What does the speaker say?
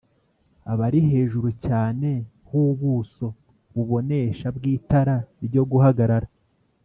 Ahari hejuru cyane h'ubuso bubonesha bw'itara ryo guhagarara